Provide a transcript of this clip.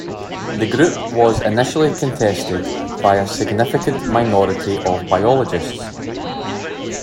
The group was initially contested by a significant minority of biologists.